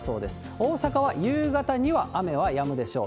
大阪は夕方には雨はやむでしょう。